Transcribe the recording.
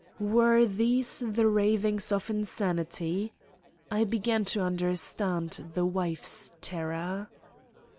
Were these the ravings of insanity? I began to understand the wife's terror.